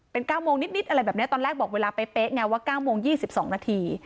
เป็น๙โมงนิดอะไรแบบนี้ตอนแรกบอกเวลาเป๊ะไงว่า๙โมง๒๒นาที